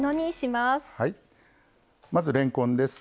まずれんこんです。